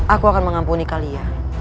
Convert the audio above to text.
aku akan mengampuni kalian